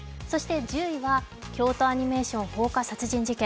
１０位は京都アニメーション放火殺人事件